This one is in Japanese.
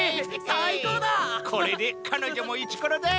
これで彼女もイチコロだ！